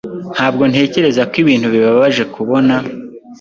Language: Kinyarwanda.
Ntabwo ntekereza ko ibintu bibabaje kubona